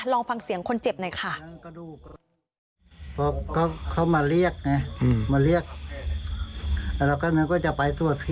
ลองฟังเสียงคนเจ็บหน่อยค่ะ